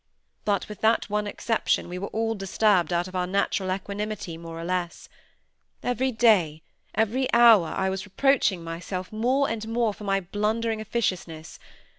But with that one exception we were all disturbed out of our natural equanimity, more or less. Every day, every hour, I was reproaching myself more and more for my blundering officiousness.